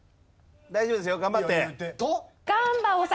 大丈夫ですよ頑張って。